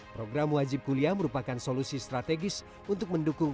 program wajib kuliah merupakan solusi strategis untuk pendidikan indonesia